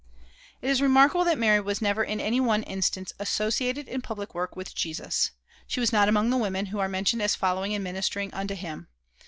It is remarkable that Mary was never in any one instance associated in public work with Jesus. She was not among the women who are mentioned as following and ministering unto him.